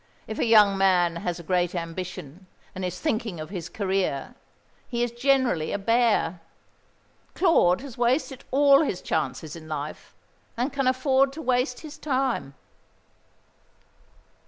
If a young man has a great ambition, and is thinking of his career, he is generally a bear. Claude has wasted all his chances in life, and can afford to waste his time."